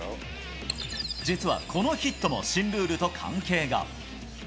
実はこのヒットも新ルールと関係が。